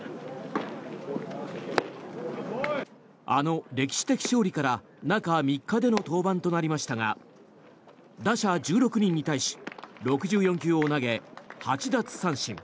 あの歴史的勝利から中３日での登板となりましたが打者１６人に対し６４球を投げ８奪三振。